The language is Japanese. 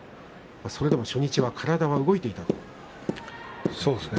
それでも初日は体は動いていたと言っていました。